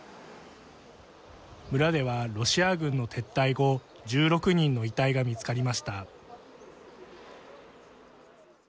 村では、ロシア軍の撤退後１６人の遺体が見つかりました。